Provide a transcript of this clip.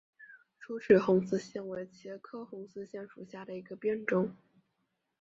疏齿红丝线为茄科红丝线属下的一个变种。